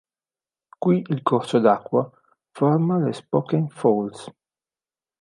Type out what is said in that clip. Qui il corso d'acqua forma le Spokane Falls.